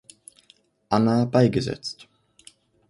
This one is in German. Anna beigesetzt.